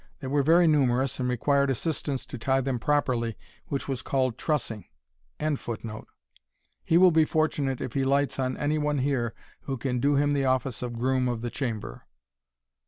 They were very numerous, and required assistance to tie them properly, which was called trussing.] He will be fortunate if he lights on any one here who can do him the office of groom of the chamber."